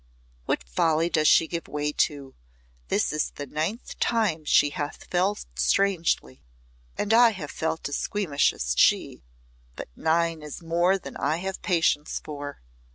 "What folly does she give way to? This is the ninth time she hath felt strangely, and I have felt as squeamish as she but nine is more than I have patience for."